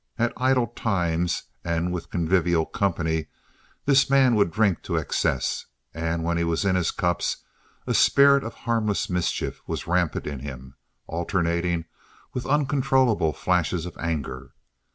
At idle times and with convivial company, this man would drink to excess, and when he was in his cups a spirit of harmless mischief was rampant in him, alternating with uncontrollable flashes of anger.